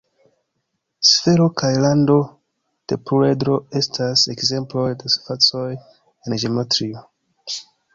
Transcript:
Vidu Kopta Evangelio de Egiptoj.